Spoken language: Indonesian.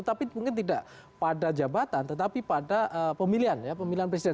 tapi mungkin tidak pada jabatan tetapi pada pemilihan ya pemilihan presiden